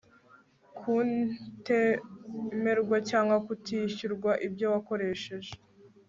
kutemerwa cyangwa kutishyurwa ibyo wakoresheje